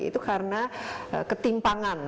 itu karena ketimpangan